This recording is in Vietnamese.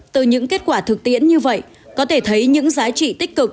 từ những kết quả thực tiễn như vậy có thể thấy những giá trị tích cực